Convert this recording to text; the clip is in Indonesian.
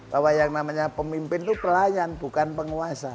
bahwa yang namanya pemimpin itu pelayan bukan penguasa